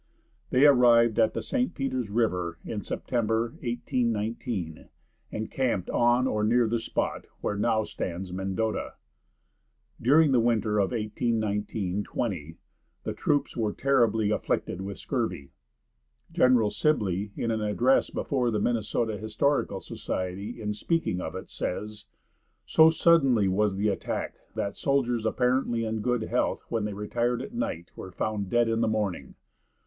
They arrived at the St. Peter's river in September, 1819, and camped on or near the spot where now stands Mendota. During the winter of 1819 20 the troops were terribly afflicted with scurvy. General Sibley, in an address before the Minnesota Historical Society, in speaking of it, says: "So sudden was the attack that soldiers apparently in good health when they retired at night were found dead in the morning.